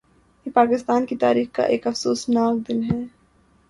یہ پاکستان کی تاریخ کا ایک افسوسناک دن ہے